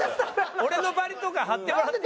俺のバリとか貼ってもらっていい？